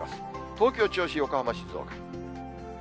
東京、銚子、横浜、静岡。